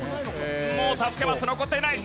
もう助けマス残っていない！